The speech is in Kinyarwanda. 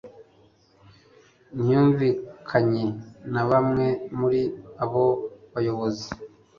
ntiyumvikanye na bamwe muri abo bayobozi